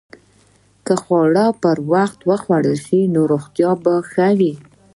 که خواړه پر وخت وخوړل شي، نو روغتیا به ښه وي.